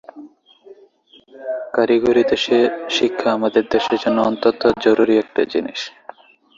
ম্যাচটি আইসিসি নারী চ্যাম্পিয়নশিপের অংশ ছিল।